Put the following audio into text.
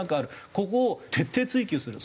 ここを徹底追及する。